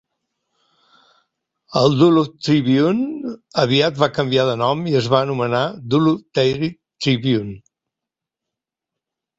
El "Duluth Tribune" aviat va canviar de nom i es va anomenar "Duluth Daily Tribune".